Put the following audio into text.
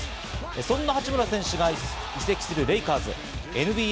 そんな八村選手が移籍するレイカーズ、ＮＢＡ